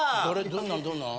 どんなんどんなん？